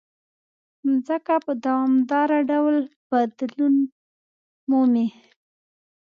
مځکه په دوامداره ډول بدلون مومي.